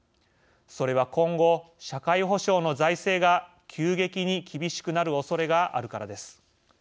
それは今後、社会保障の財政が急激に厳しくなるおそれがあるからです。